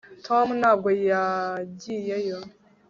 tom ntabwo yagiyeyo